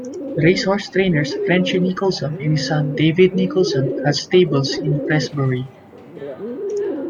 Racehorse trainers Frenchy Nicholson and his son David Nicholson had stables in Prestbury.